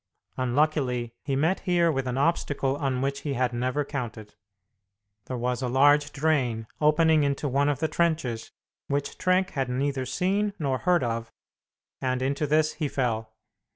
Unluckily, he met here with an obstacle on which he had never counted. There was a large drain, opening into one of the trenches, which Trenck had neither seen nor heard of, and into this he fell.